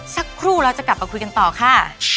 สักครู่เราจะกลับมาคุยกันต่อค่ะ